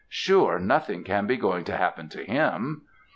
Sure nothing can be going to happen to him!'